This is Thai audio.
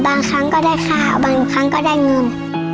ครั้งก็ได้ค่าบางครั้งก็ได้เงิน